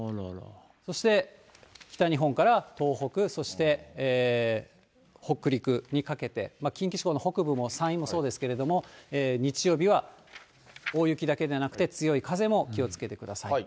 そして北日本から東北、そして北陸にかけて、近畿地方の北部も山陰もそうですけれども、日曜日は大雪だけでなくて、強い風も気をつけてください。